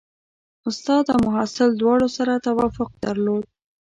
استاد او محصل دواړو سره توافق درلود.